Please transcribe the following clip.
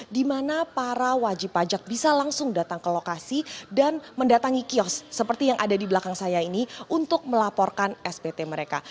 di mana para wajib pajak bisa langsung datang ke lokasi dan mendatangi kios seperti yang ada di belakang saya ini untuk melaporkan spt mereka